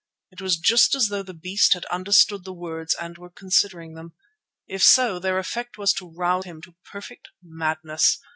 It was just as though the beast had understood the words and were considering them. If so, their effect was to rouse him to perfect madness.